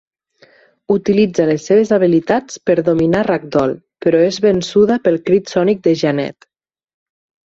Utilitza les seves habilitats per dominar Ragdoll, però és vençuda pel crit sònic de Jeannette.